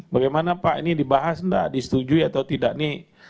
bagaimana pak ini dibahas nggak disetujui atau tidak nih